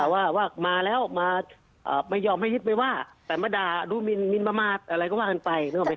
ก็ว่ามาแล้วมาไม่ยอมให้ไปว่าแต่มาด่ารูลินมิลวมาต์อะไรก็ว่ากันไป